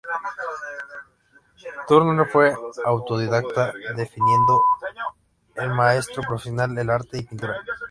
Turner fue autodidacta deviniendo en maestro profesional de arte y pintura.